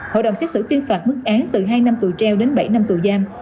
hội đồng xét xử tuyên phạt mức án từ hai năm tù treo đến bảy năm tù giam